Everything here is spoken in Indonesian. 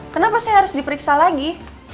kenapa saya harus diperiksa lagi